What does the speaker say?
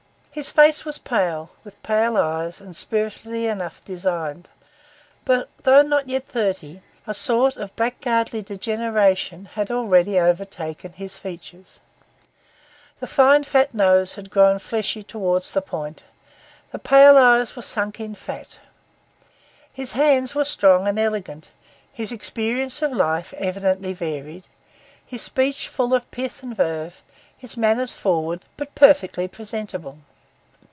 His face was pale, with pale eyes, and spiritedly enough designed; but though not yet thirty, a sort of blackguardly degeneration had already overtaken his features. The fine nose had grown fleshy towards the point, the pale eyes were sunk in fat. His hands were strong and elegant; his experience of life evidently varied; his speech full of pith and verve; his manners forward, but perfectly presentable.